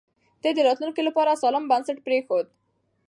ده د راتلونکي لپاره سالم بنسټ پرېښود.